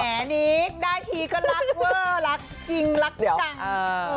แหน่นี้ได้ทีก็รักเว้อรักจริงรักจัง